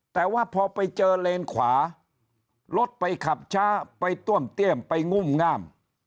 แต่ว่าพอไปเจอเลนขวารถไปขับช้าไปต้วมเตี้ยมไปงุ่มงาม